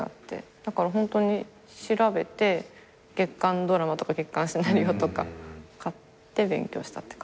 だからホントに調べて『月刊ドラマ』とか『月刊シナリオ』とか買って勉強したって感じ。